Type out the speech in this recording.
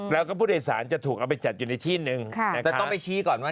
แล้วก็ผู้โดยสารจะถูกเอาไปจัดอยู่ในที่นึงแต่ต้องไปชี้ก่อนว่า